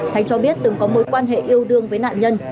thanh cho biết từng có mối quan hệ yêu đương với nạn nhân